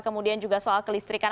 kemudian juga soal kelistrikan